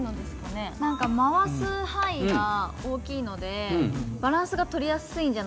何か回す範囲が大きいのでバランスが取りやすいんじゃないかな？